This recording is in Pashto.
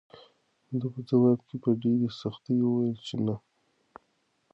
ده په ځواب کې په ډېرې سختۍ وویل چې نه.